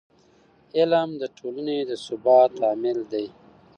علم د ټولنې د ثبات عامل دی.